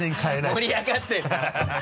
盛り上がってるな